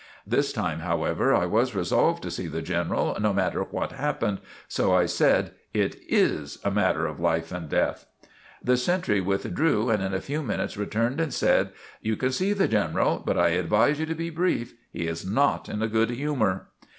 This time, however, I was resolved to see the General, no matter what happened, so I said: "It is a matter of life and death." The sentry withdrew and in a few minutes returned and said: "You can see the General, but I advise you to be brief. He is not in a good humour."